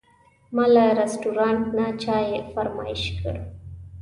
ما له رستورانت نه چای فرمایش کړ.